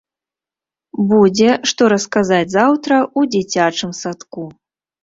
Будзе што расказаць заўтра ў дзіцячым садку.